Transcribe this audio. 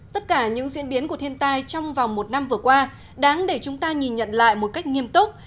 tất cả những diễn biến của thiên tai trong vòng một năm vừa qua đáng để chúng ta nhìn nhận lại một cách nghiêm túc